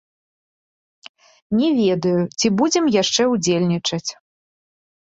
Не ведаю, ці будзем яшчэ ўдзельнічаць.